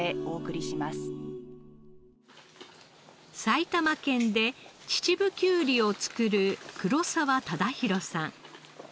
埼玉県で秩父きゅうりを作る黒澤忠弘さん。